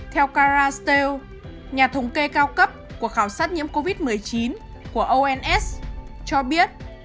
theo cara steel nhà thống kê cao cấp của khảo sát nhiễm covid một mươi chín của ons cho biết